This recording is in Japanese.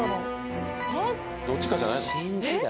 どっちかじゃないの？